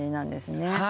はい。